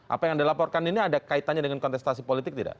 apa yang anda laporkan ini ada kaitannya dengan kontestasi politik tidak